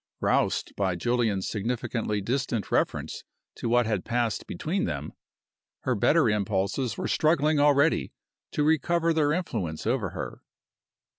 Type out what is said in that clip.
Roused by Julian's significantly distant reference to what had passed between them, her better impulses were struggling already to recover their influence over her.